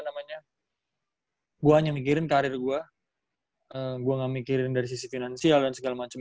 namanya gua hanya mikirin karir gua gua nggak mikirin dari sisi finansial dan segala macem